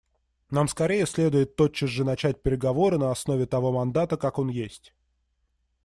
Нам скорее следует тотчас же начать переговоры на основе того мандата как он есть.